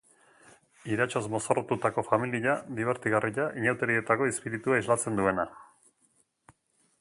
Iratxoz mozorrotutako familia dibertigarria, inauterietako izpiritua islatzen duena.